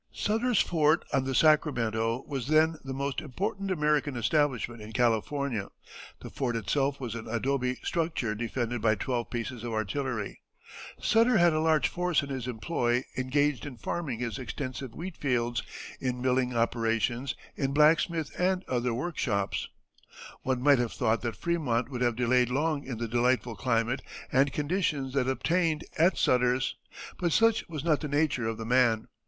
Sutter's Fort, on the Sacramento, was then the most important American establishment in California; the fort itself was an adobe structure defended by twelve pieces of artillery. Sutter had a large force in his employ engaged in farming his extensive wheat fields, in milling operations, in blacksmith and other work shops. One might have thought that Frémont would have delayed long in the delightful climate and conditions that obtained at Sutter's, but such was not the nature of the man.